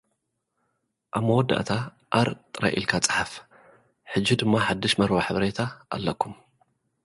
ኣብ መወዳእታ 'ኣር' ጥራይ ኢልካ ጽሓፍ። ሕጂ ድማ ሓድሽ መርበብ-ሓበሬታ ኣለኩም!